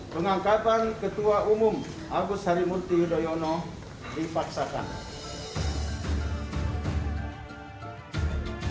pengangkatan ketua umum agus harimurti yudhoyono dipaksakan